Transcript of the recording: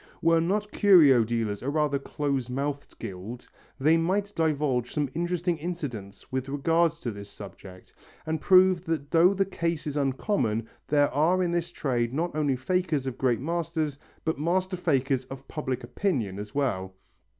Were not curio dealers a rather close mouthed guild, they might divulge some interesting incidents with regard to this subject, and prove that though the case is uncommon there are in this trade not only fakers of great masters but master fakers of public opinion as well.